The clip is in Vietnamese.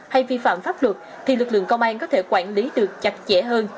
hay vi phạm pháp luật thì lực lượng công an có thể quản lý được chặt chẽ hơn